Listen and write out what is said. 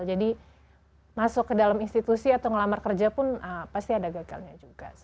jadi masuk ke dalam institusi atau ngelamar kerja pun pasti ada gagalnya juga